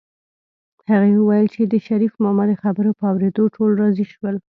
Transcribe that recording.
هغې وویل چې د شريف ماما د خبرو په اورېدو ټول راضي شول